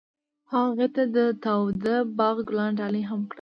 هغه هغې ته د تاوده باغ ګلان ډالۍ هم کړل.